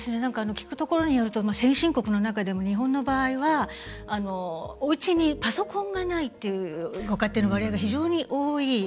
聞くところによると先進国の中でも日本の場合はおうちにパソコンがないっていうご家庭の割合が、非常に多い。